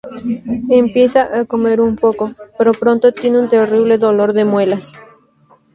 Empieza a comer un poco, pero pronto tiene un terrible dolor de muelas.